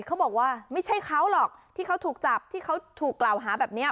เขาบอกว่าไม่ใช่เขาหรอกที่เขาถูกจับที่เขาถูกกล่าวหาแบบนี้